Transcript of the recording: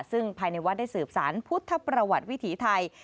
ซึ่งภายในวัดได้สืบสารพุทธประวัติวิถีไทย